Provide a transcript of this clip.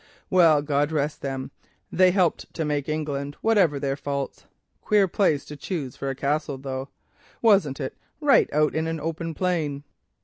Well, God rest them, they helped to make England, whatever their faults. Queer place to choose for a castle, though, wasn't it? right out in an open plain."